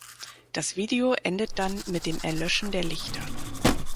Das Video endet dann mit dem Erlöschen der Lichter.